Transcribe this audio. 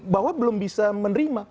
bahwa belum bisa menerima